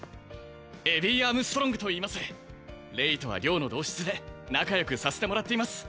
エヴィ＝アームストロングといいますレイとは寮の同室で仲よくさせてもらっています